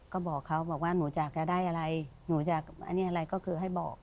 ก็บอกเขาบอกว่าหนูอยากจะได้อะไรหนูอยากอันนี้อะไรก็คือให้บอก